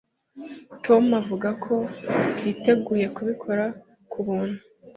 Tom avuga ko yiteguye kubikora ku buntu.